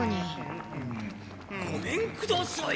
・ごめんください。